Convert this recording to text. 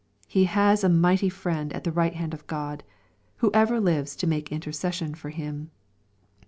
He has a mighty Friend at the right hand of God, who ever lives to make inter cession for him.